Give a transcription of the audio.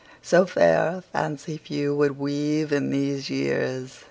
So fair a fancy few would weave In these years!